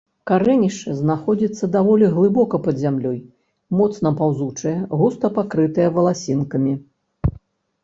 Карэнішча знаходзіцца даволі глыбока пад зямлёй, моцна паўзучае, густа пакрытае валасінкамі.